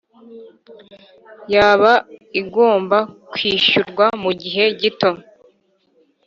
Yaba igomba kwishyurwa mugihe gito